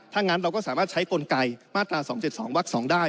ถ้างั้นเราก็สามารถใช้กลไกมาตรา๒๗๒วัก๒ได้